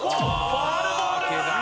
ファウルボールだ！